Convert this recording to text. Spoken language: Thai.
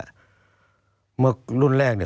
ตั้งแต่ปี๒๕๓๙๒๕๔๘